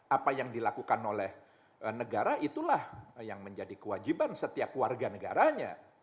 apa yang dilakukan oleh negara itulah yang menjadi kewajiban setiap warga negaranya